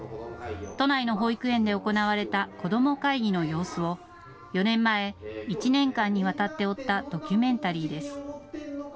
都内の保育園で行われた子ども会議の様子を４年前、１年間にわたって追ったドキュメンタリーです。